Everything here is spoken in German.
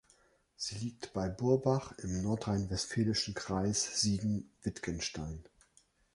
Sie liegt bei Burbach im nordrhein-westfälischen Kreis Siegen-Wittgenstein.